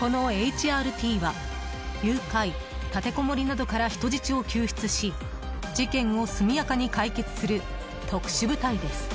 このＨＲＴは、誘拐立てこもりなどから人質を救出し事件を速やかに解決する特殊部隊です。